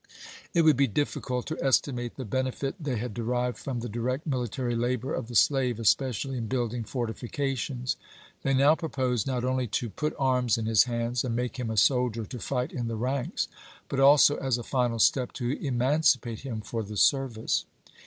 It would be difficult to estimate the benefit they had derived from the direct military labor of the slave, especially in building fortifications. They now proposed not only to put arms in his hands and make him a soldier to fight in the ranks, but also, as a final step, to emancipate him for the service.